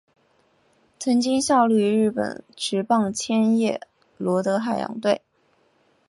曾经效力于日本职棒千叶罗德海洋队。